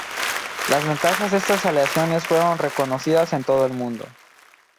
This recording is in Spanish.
Las ventajas de estas aleaciones fueron reconocidas en todo el mundo.